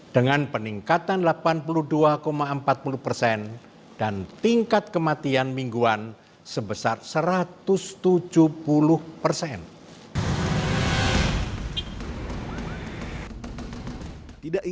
dengan peningkatan delapan puluh dua empat puluh persen dan tingkat kematian mingguan sebesar satu ratus tujuh puluh persen